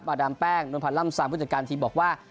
บาดามแป้งโดนพันล่ำสามผู้จัดการทีมบอกว่า